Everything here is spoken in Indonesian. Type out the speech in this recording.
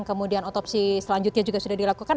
kemudian otopsi selanjutnya juga sudah dilakukan